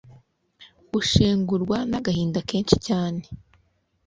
ushengurwa nagahinda kenshi cyane